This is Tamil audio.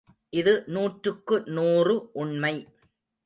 இது நூற்றுக்கு நூறு உண்மை.